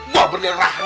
gue berderah sama lo